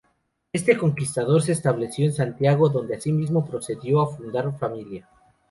Este conquistador, se estableció en Santiago, donde asimismo procedió a fundar familia.